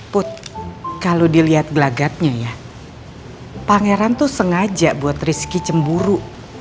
put kalo diliat gelagatnya ya pangeran tuh sengaja buat rizky cemburu